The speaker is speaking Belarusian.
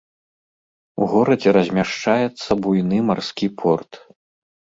У горадзе размяшчаецца буйны марскі порт.